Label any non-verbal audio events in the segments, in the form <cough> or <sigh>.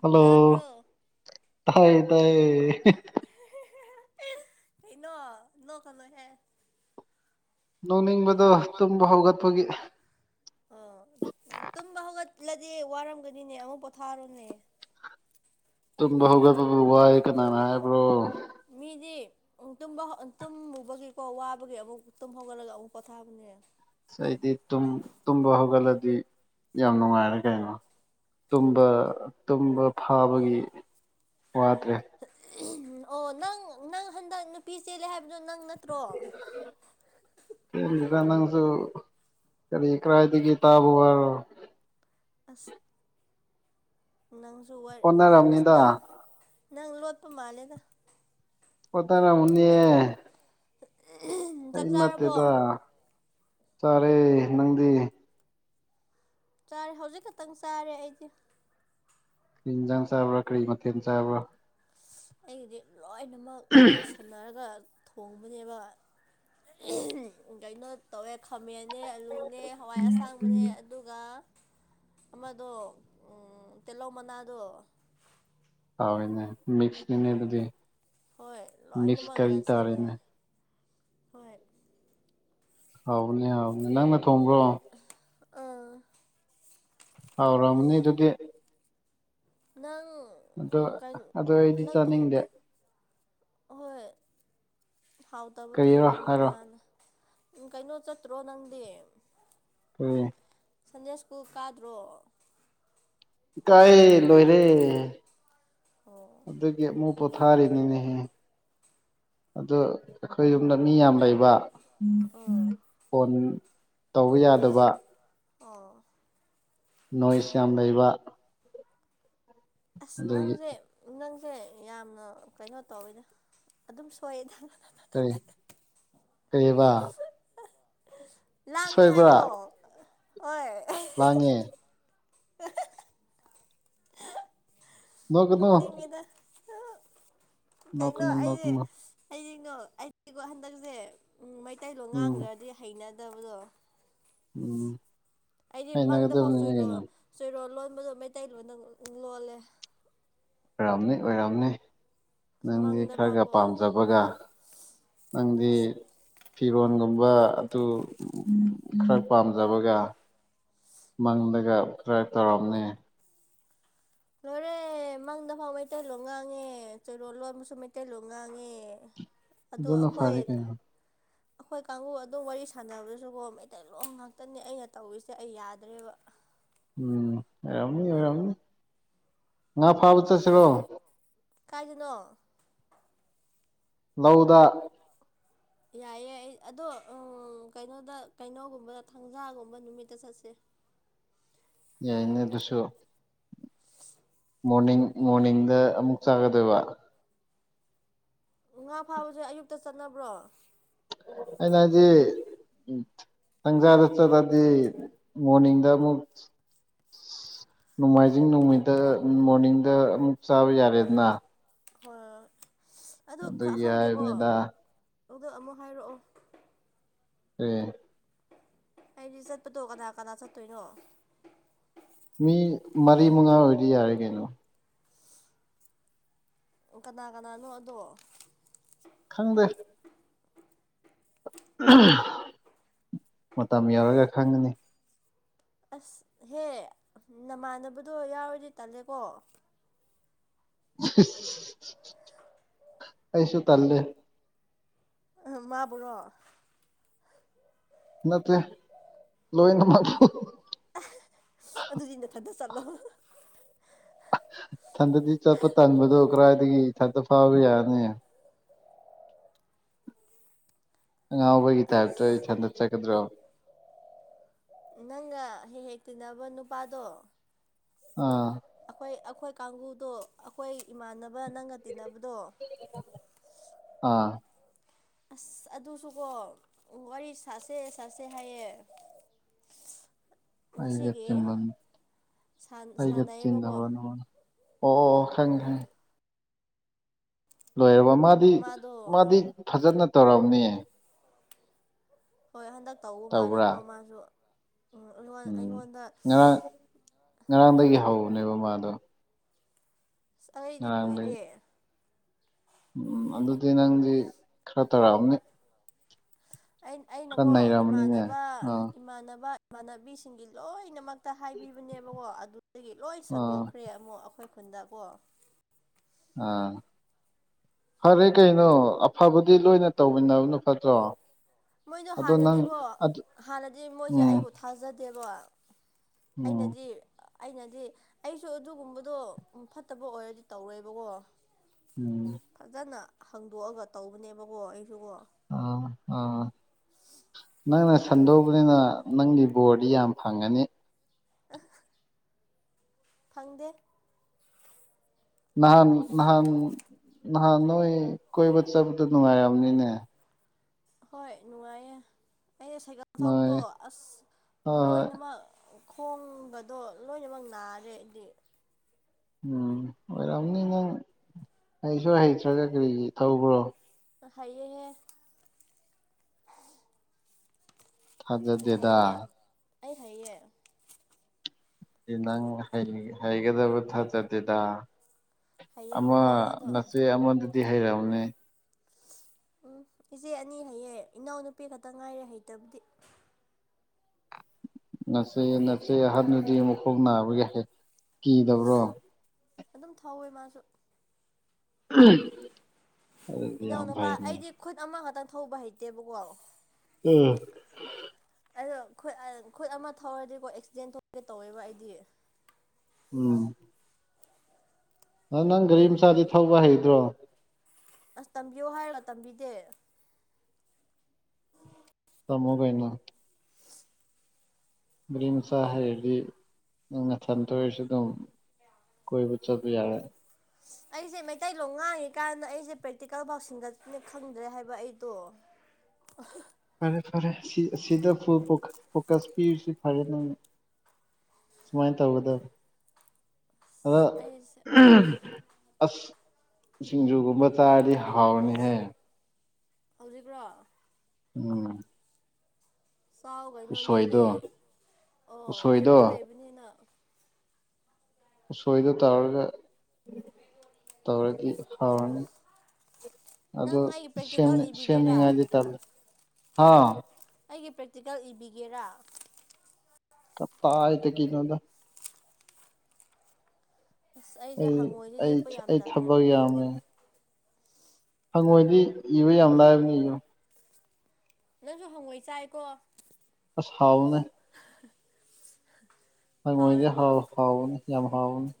Hello ꯇꯥꯕ꯭ꯔꯣ ꯇꯥꯏꯌꯦ ꯇꯥꯏꯌꯦ ꯀꯩꯅꯣ ꯅꯣꯛꯀꯅꯣꯍꯦ ꯅꯣꯡꯅꯤꯡꯕꯗꯣ ꯇꯨꯝꯕ ꯍꯧꯒꯠꯄꯒꯤ ꯑ ꯎꯝ ꯇꯨꯝꯕ ꯍꯧꯒꯠꯂꯗꯤ ꯋꯥꯔꯝꯒꯅꯤꯅꯦ ꯑꯃꯨꯛ ꯄꯣꯊꯥꯔꯣꯅꯦ ꯇꯨꯝꯕ ꯍꯒꯄꯕꯨ ꯋꯥꯏ ꯀꯅꯥꯅ ꯍꯥꯏꯕ꯭ꯔꯣ ꯃꯤꯗꯤ ꯎꯝ ꯇꯨꯝꯕ ꯇꯨꯝꯃꯨꯕꯒꯤꯀꯣ ꯋꯥꯕꯒꯤ ꯑꯃꯨꯛ ꯇꯨꯝ ꯍꯧꯒꯠꯂꯒ ꯑꯃꯨꯛ ꯄꯣꯊꯥꯕꯅꯦ ꯑꯩꯗꯤ ꯇꯨꯝ ꯇꯨꯝꯕ ꯍꯧꯒꯠꯂꯗꯤ ꯌꯥꯝ ꯅꯨꯡꯉꯥꯏꯔꯦ ꯀꯩꯅꯣ ꯇꯨꯝꯕ ꯇꯨꯝꯕ ꯐꯥꯕꯒꯤ ꯋꯥꯗ꯭ꯔꯦ ꯎꯝ ꯑꯣ ꯅꯪ ꯅꯪ ꯍꯟꯗꯛ ꯅꯨꯄꯤ ꯆꯦꯜꯂꯦ ꯍꯥꯏꯕꯗꯣ ꯅꯪ ꯅꯠꯇ꯭ꯔꯣ <inaudible> ꯁꯦꯝꯗꯩꯗ ꯅꯪꯁꯨ ꯀꯔꯤ ꯀꯔꯤ ꯀꯔꯥꯏꯗꯒꯤ ꯇꯥꯕ ꯋꯥꯔꯣ ꯑꯁ ꯅꯪꯁꯨ ꯋꯥꯔ ꯑꯁ ꯍꯣꯠꯅꯔꯝꯅꯤꯗ ꯅꯪ ꯅꯪ ꯂꯣꯠꯄ ꯃꯥꯜꯂꯦꯗ ꯄꯣꯇ꯭ꯔꯔꯝꯃꯨꯅꯦ ꯑꯩ ꯆꯥꯛ ꯆꯥꯔꯕꯣ ꯅꯠꯇꯦꯗ ꯆꯥꯔꯦ ꯅꯪꯗꯤ ꯆꯥꯔꯦ ꯍꯧꯖꯤꯛ ꯈꯛꯇꯪ ꯆꯥꯔꯦ ꯑꯩꯗꯤ ꯀ꯭ꯔꯤ ꯏꯟꯖꯥꯡ ꯆꯥꯕ꯭ꯔꯥ ꯀꯔꯤ ꯃꯊꯦꯜ ꯆꯥꯕ꯭ꯔꯥ ꯑꯩꯒꯤꯗꯤ ꯂꯣꯏꯅꯃꯛ ꯌꯥꯟꯁꯟꯅꯔꯒ ꯊꯣꯡꯕꯅꯦꯕ ꯀꯩꯅꯣ ꯇꯧꯋꯦ ꯈꯥꯃꯦꯟꯅꯦ ꯑꯂꯨꯅꯦ ꯍꯋꯥꯏ ꯑꯁꯥꯡꯕꯅꯦ ꯑꯗꯨꯒ ꯑꯃꯗꯣ ꯎꯪ ꯇꯤꯂꯧ ꯃꯅꯥꯗꯣ ꯍꯥꯎꯔꯦꯅꯦ ꯃꯤꯛꯁꯅꯤꯅꯦ ꯑꯗꯨꯗꯤ ꯍꯣꯏ ꯃꯤꯛꯁ ꯂꯣꯏꯅꯃꯛ ꯀꯔꯤ ꯇꯥꯔꯦꯅꯦ ꯌꯥꯟꯁꯟꯅꯔ ꯍꯣꯏ ꯍꯥꯎꯕꯅꯦ ꯍꯥꯎꯕꯅꯦ ꯅꯪꯅ ꯊꯣꯡꯕ꯭ꯔꯣ ꯑꯥ ꯍꯥꯎꯔꯝꯃꯅꯤ ꯑꯗꯨꯗꯤ ꯅꯪ ꯑꯗꯣ ꯀꯩꯟ ꯑꯗꯣ ꯑꯩꯗꯤ ꯅꯪꯗꯤ ꯆꯥꯅꯤꯡꯗꯦ ꯍꯣꯏ ꯍꯥꯎꯇꯕꯗꯨꯕꯨ ꯀꯔꯤꯔꯣ ꯀꯟꯕꯨꯨ ꯍꯥꯏꯔꯣ ꯀꯅꯥꯅ ꯎꯝ ꯀꯩꯅꯣ ꯆꯠꯇ꯭ꯔꯣ ꯅꯪꯗꯤ ꯀꯔꯤ ꯁꯟꯗꯦ ꯁ꯭ꯀꯨꯜ ꯀꯥꯗ꯭ꯔꯣ ꯀꯥꯏꯌꯦ ꯂꯣꯏꯔꯦ ꯑꯣ ꯑꯦꯞ ꯃꯨꯛ ꯄꯣꯊꯥꯔꯤꯅꯤꯅꯦꯍꯦ ꯑꯗꯨ ꯑꯈꯣꯏ ꯌꯨꯝꯗ ꯃꯤ ꯌꯥꯝ ꯂꯩꯕ ꯑꯥ ꯐꯣꯟ ꯇꯧ ꯌꯥꯗꯕ ꯑꯣ꯫ ꯅꯣꯏꯁ ꯌꯥꯝ ꯂꯩꯕ ꯑꯁ ꯑꯗꯨꯒꯤ ꯅꯪꯖꯦ ꯅꯪꯁꯦ ꯌꯥꯝꯅ ꯀꯩꯅꯣ ꯇꯧꯋꯤꯗ ꯑꯗꯨꯝ ꯁꯣꯏꯗ꯫ ꯑꯩ ꯀꯩꯌꯦꯕ꯫ ꯂꯥꯡꯉꯦ ꯍꯥꯏꯌꯣ ꯍꯣꯏ꯫ ꯂꯥꯡꯉꯦ꯫ <unintelligible> ꯅꯣꯛꯀꯅꯨ ꯅꯣꯛꯅꯤꯡꯉꯤꯗ꯫ ꯀꯩꯅꯣ ꯅꯣꯛꯀꯅꯨ ꯑꯩ ꯅꯣꯛꯀꯅꯨ ꯑꯩꯗꯤꯉꯣ ꯑꯩꯗꯤꯀꯣ ꯍꯟꯗꯛꯁꯦ ꯎꯝ ꯃꯩꯇꯩ ꯂꯣꯟ ꯎꯝ ꯉꯥꯡꯒ꯭ꯔꯗꯤ ꯍꯩꯅꯗꯕꯗꯣ꯫ ꯎꯝ꯫ ꯑꯩꯗꯤ ꯃꯪꯗꯐꯥꯎ ꯍꯩꯅꯒꯗꯕꯅꯤꯅꯦ ꯆꯣꯏꯔꯣ ꯀꯩꯅꯣ ꯆꯣꯏꯔꯣꯜ ꯂꯣꯟꯕꯗꯣ ꯃꯩꯇꯩ ꯂꯣꯟꯗ ꯂꯣꯜꯂꯦ꯫ ꯑꯣꯏꯔꯝꯅꯤ ꯑꯣꯏꯔꯝꯅꯤ꯫ ꯑꯁ ꯅꯪꯗꯤ ꯃꯪꯗ ꯈꯔꯒ ꯐꯥꯎꯀꯣ ꯄꯥꯝꯖꯕꯒ ꯅꯪꯗꯤ ꯑꯁ ꯐꯤꯔꯣꯟꯒꯨꯝꯕ ꯑꯗꯨ ꯈꯔ ꯄꯥꯝꯖꯕꯒ꯫ ꯃꯪꯗꯒꯥ ꯈꯔ ꯇꯧꯔꯝꯅꯤ꯫ ꯂꯣꯏꯔꯦ꯫ ꯑꯦ ꯃꯪꯗꯐꯥꯎ ꯃꯩꯇꯩꯂꯣꯟ ꯉꯥꯡꯉꯦ ꯆꯣꯏꯔꯣꯜ ꯂꯣꯟꯕꯁꯨ ꯃꯩꯇꯩꯂꯣꯟ ꯉꯥꯡꯉꯦ꯫ ꯑꯗꯣ ꯑꯗꯨꯅ ꯑꯈꯣꯏ ꯐꯔꯦ ꯀꯩꯅꯣ ꯑꯈꯣꯏ ꯀꯥꯡꯕꯨ ꯑꯗꯨꯝ ꯋꯥꯔꯤ ꯁꯥꯟꯅꯕꯗꯁꯨꯀꯣ ꯃꯩꯇꯩꯂꯣꯟ ꯉꯥꯛꯇꯅꯦ ꯑꯩꯅ ꯇꯧꯔꯤꯁꯦ ꯑꯩ ꯌꯥꯗ꯭ꯔꯦꯕ꯫ ꯎꯝ ꯑꯣꯏꯔꯝꯅꯤ ꯑꯣꯏꯔꯝꯅꯤ ꯉꯥ ꯐꯥꯕ ꯆꯠꯁꯤꯔꯣ꯫ ꯀꯥꯏꯗꯅꯣ꯫ ꯂꯧꯗ꯫ ꯌꯥꯏꯌꯦ ꯑꯩ ꯑꯗꯣ ꯀꯩꯅꯣꯗ ꯀꯩꯅꯣꯒꯨꯝꯕꯗ ꯊꯪꯖꯥꯒꯨꯝꯕ ꯅꯨꯃꯤꯠꯇ ꯆꯠꯁꯦ꯫ ꯌꯥꯏꯅꯦ ꯑꯗꯨꯁꯨ꯫ <inaudible> ꯃꯣꯔꯅꯤꯡ ꯃꯣꯔꯅꯤꯡꯗ ꯑꯃꯨꯛ ꯆꯠꯀꯗꯣꯏꯕ꯫ ꯉꯥ ꯐꯥꯕꯁꯦ ꯑꯌꯨꯛꯇ ꯆꯠꯅꯕ꯭ꯔꯣ꯫ ꯑꯩꯅ ꯍꯥꯏꯗꯤ ꯊꯪꯖꯥꯗ ꯆꯠꯂꯗꯤ ꯃꯣꯔꯅꯤꯡꯗ ꯑꯃꯨꯛ ꯅꯣꯡꯃꯥꯏꯖꯤꯡ ꯅꯣꯡꯃꯤꯠꯇ ꯃꯣꯔꯅꯤꯡꯗ ꯑꯃꯨꯛ ꯆꯥꯕ ꯌꯥꯔꯦꯗꯅ꯫ ꯍꯣꯏ ꯑꯗꯨ ꯈ ꯑꯗꯨꯒꯤ ꯈꯪꯗꯦꯀꯣ ꯍꯥꯏꯕꯅꯤꯗ ꯑꯗꯨ ꯑꯃꯨꯛ ꯍꯥꯏꯔꯛꯑꯣ <unintelligible> ꯑꯩꯗꯤ ꯆꯠꯄꯗꯣ ꯀꯅꯥ ꯀꯅꯥ ꯆꯠꯇꯣꯏꯅꯣ ꯃꯤ ꯃꯔꯤ ꯃꯉꯥ ꯑꯣꯏꯗꯤ ꯌꯥꯔꯦ ꯀꯩꯅꯣ ꯑꯣ ꯀꯅꯥ ꯀꯅꯥꯅꯣ ꯑꯗꯣ ꯈꯪꯗꯦ ꯃꯇꯝ ꯌꯧꯔꯒ ꯈꯪꯉꯅꯤ ꯑꯁꯍꯦ ꯅꯃꯥꯟꯅꯕꯗꯣ ꯌꯥꯎꯔꯗꯤ ꯇꯜꯂꯦꯀꯣ ꯑꯩꯩꯁꯨ ꯇꯜꯂꯦ ꯃꯥꯕꯨꯔꯣ ꯅꯠꯇꯦ ꯂꯣꯏꯅꯃꯛ ꯑꯗꯨꯗꯤ ꯅꯊꯟꯇ ꯆꯠꯂꯣ ꯊꯟꯗꯗꯤ ꯆꯠꯄ ꯇꯟꯕꯗꯣ ꯀꯗꯥꯏꯗꯒꯤ ꯏꯊꯟꯗ ꯐꯥꯕ ꯌꯥꯅꯤ ꯑꯉꯥꯎꯕꯒꯤ ꯇꯥꯏꯞꯇ ꯑꯁ ꯏꯊꯟꯇ ꯆꯠꯀꯗ꯭ꯔꯣ ꯅꯪꯒ ꯍꯦꯛ ꯍꯦꯛ ꯇꯤꯟꯅꯕ ꯅꯨꯄꯥꯗꯣ ꯑꯥ ꯑꯩꯈꯣꯏ ꯑꯩꯈꯣꯏ ꯀꯥꯡꯕꯨꯗꯣ ꯑꯩꯈꯣꯏ ꯏꯃꯥꯟꯅꯕ ꯅꯪꯒ ꯇꯤꯟꯅꯕꯗꯣ ꯑꯥ ꯑꯁ ꯑꯗꯨꯁꯨꯀꯣ ꯋꯥꯔꯤ ꯁꯥꯁꯦ ꯁꯥꯁꯦ ꯍꯥꯏꯌꯦ <inaudible> ꯑꯩꯒ ꯉꯁꯤꯒꯤ ꯇꯤꯟꯕꯟ ꯑꯩꯒ ꯇꯤꯟꯅꯕ ꯁꯥꯟꯅꯩꯌꯦꯕꯀꯣ ꯅꯣꯏ ꯑꯣ ꯈꯪꯉꯦ ꯈꯪꯉꯦ ꯂꯣꯏꯔꯕ ꯃꯥꯗꯤ ꯃꯥꯗꯣ ꯃꯥꯗꯤ ꯐꯖꯅ ꯇꯧꯔꯝꯅꯤ ꯍꯣꯏ ꯍꯟꯗꯛ ꯇꯧꯕ ꯇꯧꯕ꯭ꯔꯥ ꯃꯥꯜꯂꯦꯀꯣ ꯃꯥꯁꯨ ꯎꯝ ꯎꯝ ꯑꯩꯉꯣꯟꯗ ꯉꯔꯥꯡ ꯉꯔꯥꯡꯗꯒꯤ ꯍꯧꯕꯅꯦꯕ ꯃꯥꯗꯣ ꯑꯩꯗꯤ ꯉꯔꯥꯡꯗꯒꯤ ꯀꯨꯏꯔꯦ ꯎꯝ ꯑꯗꯨꯗꯤ ꯅꯪꯗꯤ ꯈꯔ ꯇꯧꯔꯛꯑꯝꯅꯤ ꯑꯩꯅꯀꯣ ꯅꯩꯔꯝꯃꯅꯤꯅꯦ ꯏꯃꯥꯟꯅꯕ ꯑꯥ ꯏꯃꯥꯟꯅꯕ ꯏꯃꯥꯟꯅꯕꯤꯁꯤꯡꯒꯤ ꯂꯣꯏꯅꯃꯛ ꯍꯥꯏꯕꯤꯕꯅꯦꯕꯀꯣ ꯑꯗꯨꯗꯒꯤ ꯂꯣꯏ ꯑꯥ ꯁꯟꯗꯣꯛꯈ꯭ꯔꯦ ꯑꯃꯨꯛ ꯑꯩꯈꯣꯏ ꯈꯨꯟꯗꯀꯣ ꯑꯥ ꯐꯔꯦ ꯀꯩꯅꯣ ꯑꯐꯕꯗꯤ ꯂꯣꯏꯅ ꯇꯧꯃꯤꯟꯅꯕꯅ ꯐꯠꯇ꯭ꯔꯣ ꯃꯣꯏꯗꯣ ꯑꯗꯣ ꯅꯪ ꯍꯥꯟꯅꯗꯤꯀꯣ ꯍꯥꯟꯅꯗꯤ ꯃꯣꯏꯁꯦ ꯎꯝ ꯑꯩꯕꯨ ꯊꯥꯖꯗꯦꯕ ꯎꯝ ꯑꯩꯅꯗꯤ ꯑꯩꯅꯗꯤ ꯑꯩꯁꯨ ꯑꯗꯨꯒꯨꯝꯕꯗꯣ ꯐꯠꯇꯕ ꯑꯣꯏꯔꯗꯤ ꯇꯧꯔꯣꯏꯕꯀꯣ ꯎꯝ ꯐꯖꯅ ꯍꯡꯗꯣꯛꯑꯒ ꯇꯧꯕꯅꯦꯕꯀꯣ ꯑꯩꯁꯨꯀꯣ ꯑꯥ ꯑꯥ ꯅꯪꯅ ꯑꯗꯨꯒ ꯁꯟꯗꯣꯛꯑꯕꯅꯤꯅ ꯅꯪꯒꯤ ꯕꯣꯔꯗꯤ ꯌꯥꯝ ꯐꯪꯉꯅꯤ ꯑꯥꯍꯥ ꯐꯪꯗꯦ ꯅꯍꯥꯟ ꯅꯍꯥꯟ ꯅꯍꯥꯟ ꯅꯣꯏ ꯀꯣꯏꯕ ꯆꯠꯄꯗꯨ ꯅꯨꯡꯉꯥꯏꯔꯝꯅꯤꯅꯦ ꯍꯣꯏ ꯅꯨꯡꯉꯥꯏꯌꯦ ꯑꯩ ꯁꯥꯏꯀꯜ ꯅꯣꯏ ꯊꯧꯕꯗꯣ ꯑꯁ ꯍꯣꯏ ꯍꯣꯏ ꯂꯣꯏꯅꯃꯛ ꯈꯣꯡꯒꯗꯣ ꯂꯣꯏꯅꯃꯛ ꯅꯥꯔꯦ ꯑꯩꯗꯤ ꯎꯝ ꯑꯣꯏꯔꯝꯅꯤ ꯅꯪ ꯍꯩꯁꯨ ꯍꯩꯇ꯭ꯔꯒ ꯀꯔꯤꯒꯤ ꯊꯧꯕ꯭ꯔꯣ ꯍꯩꯌꯦꯍꯦ ꯊꯥꯖꯗꯦꯗ ꯍꯩꯑꯦ ꯑꯩ ꯍꯩꯑꯦ ꯅꯪ ꯍꯩꯒꯗꯕ ꯊꯥꯖꯗꯦꯗ ꯑꯃ ꯍꯩꯌꯦꯕꯀꯣ ꯑꯗꯣ ꯅꯆꯦ ꯑꯃꯗꯨꯗꯤ ꯍꯩꯔꯝꯅꯤ ꯎꯝ ꯏꯆꯦ ꯑꯅꯤ ꯍꯩꯌꯦ ꯏꯅꯥꯎꯅꯨꯄꯤ ꯈꯛꯇꯡ ꯉꯥꯏꯔꯦ ꯍꯩꯇꯕꯗꯤ ꯅꯆꯦ ꯅꯆꯦ ꯑꯍꯟꯗꯨꯗꯤ ꯃꯈꯣꯡ ꯅꯥꯕꯒꯤ ꯀꯤꯗꯕ꯭ꯔꯣ ꯑꯗꯨꯝ ꯊꯧꯋꯦ ꯃꯥꯁꯨ ꯑꯨꯝ <inaudible> ꯏꯅꯥꯎꯅꯨꯄꯥ ꯑꯩꯗꯤ ꯈꯨꯠ ꯑꯃꯈꯛꯇ ꯊꯧꯕ ꯍꯩꯇꯦꯕꯀꯣ ꯎꯝ ꯑꯗꯣ ꯈꯨꯠ ꯑꯃ ꯈꯨꯠ ꯑꯃ ꯊꯧꯔꯗꯤꯀꯣ ꯑꯦꯛꯁꯤꯗꯦꯟ ꯊꯣꯛꯀꯦ ꯇꯧꯋꯦꯕ ꯑꯩꯗꯤ ꯎꯝ ꯑꯗꯣ ꯅꯪ ꯒꯥꯔꯤ ꯃꯆꯥꯗꯤ ꯊꯧꯕ ꯍꯩꯇ꯭ꯔꯣ ꯑꯁ ꯇꯝꯕꯤꯌꯣ ꯍꯥꯏꯔꯒ ꯇꯝꯕꯤꯗꯦ ꯇꯝꯃꯨ ꯀꯩꯅꯣ ꯒꯔꯤ ꯝꯆꯥ ꯍꯩꯔꯗꯤ ꯅꯪ ꯅꯊꯟꯇ ꯑꯣꯏꯔꯁꯨ ꯑꯗꯨꯝ ꯀꯣꯏꯕ ꯆꯠꯄ ꯌꯥꯔꯦ ꯑꯩꯁꯦ ꯃꯩꯇꯩꯂꯣꯟ ꯉꯥꯡꯉꯤ ꯀꯥꯟꯗ ꯑꯩꯁꯦ ꯄ꯭ꯔꯦꯛꯇꯤꯀꯦꯜ ꯐꯥꯎ ꯁꯤꯟꯒꯠꯅꯤ ꯈꯪꯗ꯭ꯔꯦ ꯍꯥꯏꯕ ꯑꯩꯗꯣ ꯑꯍꯥ ꯐꯔꯦ ꯐꯔꯦ ꯁꯤ ꯁꯤꯗ ꯐꯨꯜ ꯐꯣ ꯐꯣꯀꯁ ꯄꯤꯔꯤꯁꯤ ꯐꯔꯦ ꯅꯪ ꯁꯨꯃꯥꯏꯟ ꯇꯧꯒꯗꯝꯅꯦ ꯑꯗꯣ ꯑꯁ ꯑꯩꯁꯦ ꯑꯍꯝ ꯑꯁ ꯁꯤꯡꯖꯨꯒꯨꯝꯕ ꯆꯥꯔꯗꯤ ꯍꯥꯎꯔꯅꯤꯍꯦ ꯍꯧꯖꯤꯛꯔꯣ ꯎꯝ ꯆꯥꯎ ꯀꯩꯅꯣ ꯎꯁꯣꯏꯗꯣ ꯅꯣꯏꯗꯤ ꯑꯣ ꯎꯁꯣꯏꯗꯣ ꯈꯨꯟꯗ ꯂꯩꯕꯅꯤꯅ ꯎꯁꯣꯏꯗꯣ ꯇꯧꯔꯒ ꯇꯧꯔꯗꯤ ꯍꯥꯎꯔꯅꯤ ꯑꯗꯨ ꯅꯪ ꯑꯩꯒꯤ ꯁꯦꯝ ꯄ꯭ꯔꯦꯛꯇꯤꯀꯦꯜ ꯏꯕꯤꯒꯦꯔꯥ ꯁꯦꯝꯅꯤꯡꯉꯥꯏꯗꯤ ꯇꯜꯂꯦ ꯍꯥ ꯑꯩꯒꯤ ꯄ꯭ꯔꯦꯛꯇꯤꯀꯦꯜ ꯏꯕꯤꯒꯦꯔꯥ ꯀꯗꯥꯏ ꯗꯒꯤꯅꯣꯗ ꯑꯁ ꯑꯩꯁꯦ ꯑꯩ ꯍꯪꯉꯣꯏꯁꯦ ꯑꯩ ꯌꯦꯛꯄ ꯌꯥꯝ ꯑꯩ ꯇꯜꯂꯦ ꯊꯕꯛ ꯌꯥꯝꯃꯦ ꯍꯉꯣꯏꯗꯤ ꯏꯕ ꯌꯥꯝ ꯂꯥꯏꯕꯅꯤ ꯏꯌꯣ ꯅꯪꯁꯨ ꯍꯪꯉꯣꯏ ꯆꯥꯏꯀꯣ ꯑꯁ ꯍꯥꯎꯕꯅꯦ ꯍꯪꯉꯣꯏꯗꯤ ꯍꯥꯎꯋꯦꯀꯣ ꯍꯥꯎ ꯍꯥꯎꯕꯅꯦ ꯌꯥꯝ ꯍꯥꯎꯕꯅꯦ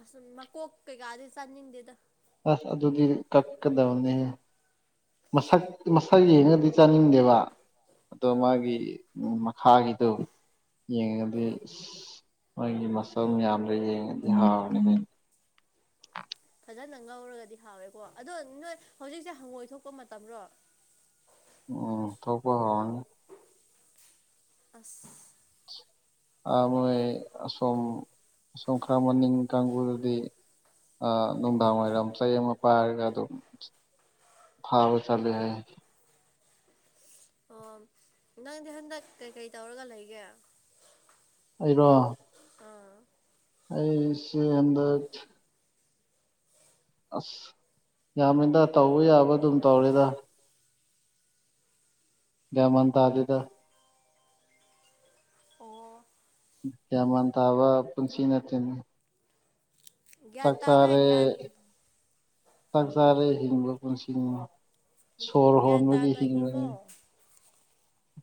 ꯑꯁꯨꯝ ꯃꯀꯣꯛ ꯀꯩꯒꯥꯗꯤ ꯆꯥꯅꯤꯡꯗꯦꯗ ꯑꯁ ꯑꯗꯨꯗꯤ ꯀꯛ ꯀꯗꯧꯅꯦ ꯍꯦ ꯃꯁꯛ ꯃꯁꯛ ꯌꯦꯡꯉꯗꯤ ꯆꯥꯅꯤꯡꯗꯦꯕ ꯑꯗꯣ ꯑꯥ ꯃꯥꯒꯤ ꯎꯝ ꯃꯈꯥꯒꯤꯗꯣ ꯌꯦꯡꯉꯗꯤ ꯏꯁ ꯃꯣꯏꯒꯤ ꯃꯁꯜ ꯃꯌꯥꯝꯗꯣ ꯌꯦꯡꯉꯗꯤ ꯍꯥꯎꯅꯤꯍꯦ ꯐꯖꯅ ꯉꯧꯔꯒꯗꯤ ꯍꯥꯎꯋꯦꯀꯣ ꯑꯗꯣ ꯅꯣꯏ ꯍꯧꯖꯤꯛꯁꯦ ꯍꯪꯉꯣꯏ ꯊꯣꯛꯄ ꯃꯇꯝꯔꯣ ꯎꯝ ꯊꯣꯛꯄ ꯍꯧꯔꯅꯤ ꯑꯁ ꯑꯥ ꯃꯣꯏ ꯑꯁꯣꯝ ꯁꯣꯝꯈꯥ ꯃꯅꯤꯡ ꯀꯥꯡꯕꯨꯗꯨꯗꯤ ꯑꯥ ꯅꯨꯡꯗꯥꯡ ꯋꯥꯏꯔꯝ ꯆꯩ ꯑꯃ ꯄꯥꯏꯔꯒ ꯑꯗꯨꯝ ꯐꯥꯕ ꯆꯠꯂꯦ ꯍꯥꯏꯌꯦ ꯑꯣ ꯅꯪꯗꯤ ꯍꯟꯗꯛ ꯀꯩꯀꯩ ꯇꯧꯔꯒ ꯂꯩꯒꯦ ꯑꯩꯔꯣ ꯑꯥ ꯑꯩꯁꯦ ꯍꯟꯗꯛ ꯑꯁ ꯌꯥꯝꯃꯦꯗ ꯇꯧꯕ ꯌꯥꯕ ꯑꯗꯨꯝ ꯇꯧꯔꯦꯗ ꯒ꯭ꯌꯥꯟ ꯃꯥꯟ ꯇꯥꯗꯦꯗ ꯑꯣ ꯒ꯭ꯌꯥꯟ ꯃꯥꯟ ꯇꯕ ꯄꯨꯟꯁꯤ ꯅꯠꯇꯦꯅꯦ ꯒ꯭ꯌꯥꯟ ꯆꯥꯛ ꯇꯥꯎꯍꯦ ꯆꯥꯔꯦ ꯒ꯭ꯌꯥꯟ ꯆꯥꯛ ꯆꯥꯔꯦ ꯍꯤꯡꯕ ꯄꯨꯟꯁꯤꯅꯤ ꯁꯣꯔ ꯒ꯭ꯌꯥꯟ ꯍꯣꯟꯕꯒꯤ ꯇꯥꯅ ꯍꯤꯡꯕꯅꯤ ꯍꯤꯡꯉꯣ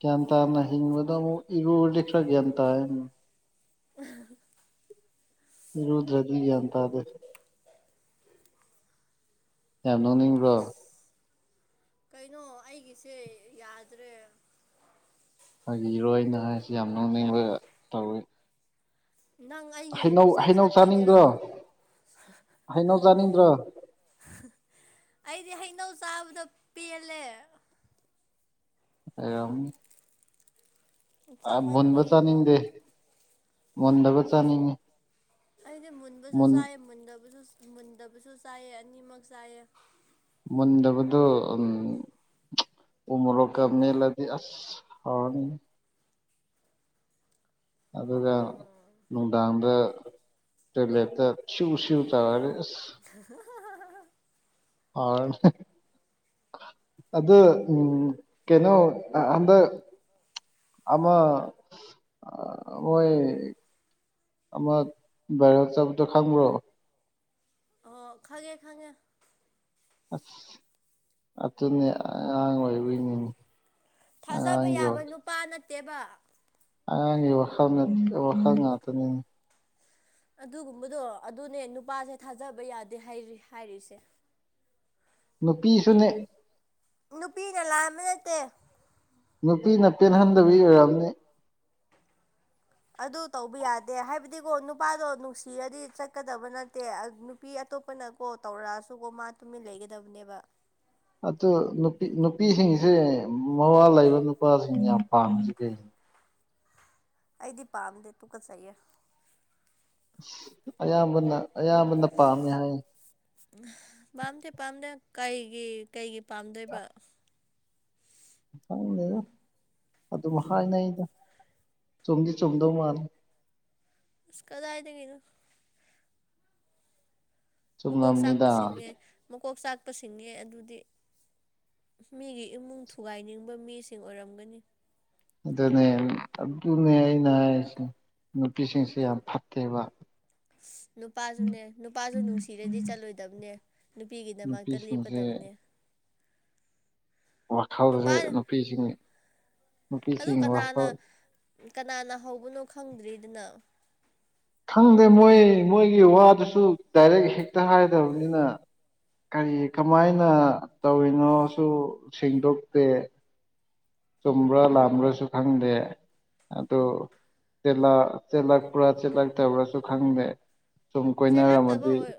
ꯒ꯭ꯌꯥꯟ ꯇꯥꯅ ꯍꯤꯡꯕꯗ ꯑꯃꯨꯛ ꯏꯔꯨꯔ ꯈꯔ ꯒ꯭ꯌꯥꯟ ꯇꯥꯏꯅꯦ ꯏꯔꯨꯗ꯭ꯔꯗꯤ ꯒ꯭ꯌꯥꯟ ꯇꯥꯗꯦ ꯌꯥꯝ ꯅꯣꯛꯅꯤꯡꯕ꯭ꯔꯣ ꯑꯁ ꯀꯩꯅꯣ ꯑꯩꯒꯤꯁꯦ ꯌꯥꯗ꯭ꯔꯦ꯫ ꯐꯥꯒꯤꯔꯣ ꯑꯩꯅ ꯍꯥꯏꯁꯤ ꯌꯥꯝ ꯅꯣꯛꯅꯤꯡꯕ ꯇꯧꯋꯤ ꯅꯪ ꯑꯩꯒꯤ ꯍꯩꯅꯧ ꯔꯤꯆꯥꯔꯖ ꯍꯩꯅꯧ ꯍꯥꯞꯄꯤꯒꯦꯔꯣ? ꯆꯥꯅꯤꯡꯗ꯭ꯔꯣ ꯍꯩꯅꯧ ꯆꯥꯅꯤꯡꯗ꯭ꯔꯣ? ꯑꯩꯗꯤ ꯍꯩꯅꯧ ꯆꯥꯕꯗꯣ ꯄꯦꯜꯂꯦ꯫ <unintelligible> ꯑ ꯃꯨꯟꯕ ꯆꯥꯃꯟꯕꯒꯤꯀꯣ ꯆꯥꯅꯤꯡꯗꯦ ꯃꯨꯟꯗꯕ ꯆꯥꯅꯤꯡꯉꯤ꯫ ꯑꯩꯗꯤ ꯃꯨꯟꯕꯁꯨ ꯃꯨꯟ ꯆꯥꯏꯌꯦ ꯃꯨꯟꯗꯕꯁꯨ ꯃꯨꯟꯗꯕꯁꯨ ꯆꯥꯏꯌꯦ ꯑꯅꯤꯃꯛ ꯆꯥꯏꯌꯦ꯫ ꯃꯨꯟꯗꯕꯗꯣ ꯎꯝ ꯎꯃꯣꯔꯣꯛꯀ ꯃꯦꯠꯂꯗꯤ ꯑꯁ ꯍꯥꯎꯔꯅꯤ ꯑꯗꯨꯒ ꯎꯝ ꯅꯨꯡꯗꯥꯡꯗ ꯇꯣꯏꯂꯦꯠꯇ ꯁꯤꯎ ꯁꯤꯎ ꯇꯧꯔꯒ ꯑꯁ <unintelligible> <unintelligible> ꯑꯗꯨ ꯎꯝ ꯀꯩꯅꯣ ꯍꯟꯗꯛ ꯑꯃ ꯑꯥ ꯃꯣꯏ ꯑꯃ ꯕꯥꯏꯔꯦꯜ ꯆꯠꯄꯗꯣ ꯈꯪꯕ꯭ꯔꯣ? ꯑꯍꯣ ꯈꯪꯉꯦ ꯈꯪꯉꯦ꯫ ꯑꯁ ꯑꯗꯨꯅꯦ ꯑꯉꯥꯡ ꯑꯣꯏꯕꯩꯅꯤꯅꯦ꯫ ꯊꯥꯖꯕ ꯌꯥꯕ ꯅꯨꯄꯥ ꯅꯠꯇꯦꯕ꯫ ꯑꯉꯥꯡꯒꯤ ꯋꯥꯈꯜꯅ ꯋꯥꯈꯜ ꯉꯥꯛꯇꯅꯤꯅꯦ ꯑꯗꯨꯒꯨꯝꯕꯗꯣ ꯑꯗꯨꯅꯦ ꯅꯨꯄꯥꯁꯦ ꯊꯥꯖꯕ ꯌꯥꯗꯦ ꯍꯥꯏꯔꯤ ꯍꯥꯏꯔꯤꯁꯦ꯫ ꯅꯨꯄꯤꯁꯨꯅꯦ ꯅꯨꯄꯤꯅ ꯂꯥꯟꯕꯅꯠꯇꯦ꯫ ꯅꯨꯄꯤꯅ ꯄꯦꯟꯍꯟꯗꯕꯤ ꯑꯣꯏꯔꯝꯅꯤ꯫ ꯑꯗꯨ ꯇꯧꯕ ꯌꯥꯗꯦ ꯍꯥꯏꯕꯗꯤꯀꯣ ꯅꯨꯄꯥꯗꯣ ꯅꯨꯡꯁꯤꯔꯗꯤ ꯆꯠꯀꯗꯕ ꯅꯠꯇꯦ ꯑ ꯅꯨ ꯄꯤ ꯑꯇꯣꯞꯄꯅꯀꯣ ꯇꯧꯔꯛꯑꯁꯨꯀꯣ ꯃꯥ ꯇꯨꯃꯤꯟ ꯂꯩꯒꯗꯕꯅꯦꯕ꯫ ꯑꯗꯨ ꯅꯨꯄꯤ ꯅꯨꯄꯤꯁꯤꯡꯁꯦ ꯃꯋꯥꯥ ꯂꯩꯕ ꯅꯨꯄꯥꯁꯤꯡ ꯌꯥꯝ ꯄꯥꯝꯃꯤꯁꯤ ꯀꯩ ꯑꯩꯗꯤ ꯄꯥꯝꯗꯦ ꯇꯨ ꯀꯠ ꯆꯩꯌꯦ꯫ ꯑꯌꯥꯝꯕꯅ ꯑꯌꯥꯝꯕꯅ ꯄꯥꯝꯃꯦ ꯍꯥꯏꯌꯦ꯫ ꯄꯥꯝꯗꯦ ꯄꯥꯝꯗꯦ ꯀꯩꯒꯤ ꯀꯩꯒꯤ ꯄꯥꯝꯗꯣꯏꯕ ꯈꯪꯗꯦꯗ ꯑꯗꯨꯝ ꯍꯥꯏꯅꯩꯗ ꯆꯨꯝꯗꯤ ꯆꯨꯝꯗꯧ ꯃꯥꯜꯂꯦ꯫ ꯑꯁ ꯀꯗꯥꯏꯗꯒꯤꯅꯣ ꯃꯀꯣꯛ ꯆꯥꯛꯄ ꯆꯨꯝꯂꯝꯅꯤꯗ ꯁꯤꯡꯅꯦ ꯃꯀꯣꯛ ꯆꯥꯛꯄ ꯁꯤꯡꯉꯦ ꯑꯗꯨꯗꯤ꯫ ꯃꯤꯒꯤ ꯏꯃꯨꯡ ꯊꯨꯒꯥꯏꯅꯤꯡꯕ ꯃꯤꯁꯤꯡ ꯑꯣꯏꯔꯝꯒꯅꯤ꯫ ꯑꯗꯨꯅꯦ ꯑꯗꯨꯅꯦ ꯑꯩꯅ ꯍꯥꯏꯔꯤꯁꯦ ꯅꯨꯄꯤꯁꯤꯡꯁꯦ ꯌꯥꯝ ꯐꯠꯇꯦꯕ꯫ ꯅꯨꯄꯥꯁꯨꯅꯦ ꯅꯨꯄꯥꯁꯨ ꯅꯨꯡꯁꯤꯔꯗꯤ ꯆꯠꯂꯣꯏꯗꯕꯅꯦ꯫ ꯅꯨꯄꯤꯒꯤꯗꯃꯛꯇ ꯅꯨꯄꯤꯁꯤꯡꯁꯦ ꯂꯦꯞꯀꯗꯕꯅꯦ꯫ ꯅꯨꯄꯥ ꯋꯥꯈꯜꯖꯦ ꯅꯨꯄꯤꯁꯤꯡ ꯑꯗꯨ ꯅꯨꯄꯤꯁꯤꯡꯒꯤ ꯀꯅꯥꯅ ꯋꯥꯈꯜ ꯀꯅꯥꯅ ꯍꯧꯕꯅꯣ ꯈꯪꯗ꯭ꯔꯤꯗꯅ꯫ ꯈꯪꯗꯦ ꯃꯣꯏ ꯃꯣꯏꯒꯤ ꯋꯥꯗꯨꯁꯨ ꯗꯥꯏꯔꯦꯛ ꯍꯦꯛꯇ ꯍꯥꯏꯗꯕꯅꯤꯅ ꯀꯔꯤ ꯀꯃꯥꯏꯅ ꯇꯧꯔꯤꯅꯣꯁꯨ ꯁꯦꯡꯗꯣꯛꯇꯦ ꯆꯨꯝꯕ꯭ꯔꯥ ꯂꯥꯟꯕ꯭ꯔꯥꯁꯨ ꯈꯪꯗꯦ ꯑꯗꯨ ꯆꯦꯜꯂꯛ ꯆꯦꯜꯂꯛꯄ꯭ꯔꯥ ꯆꯦꯜꯂꯛꯇꯕ꯭ꯔꯥꯁꯨ ꯈꯪꯗꯦ ꯁꯨꯝ ꯆꯦꯜꯂꯛꯇꯕ ꯀꯣꯏꯅꯔꯝꯃꯗꯤ ꯑꯣꯏ